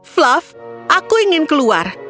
flav aku ingin keluar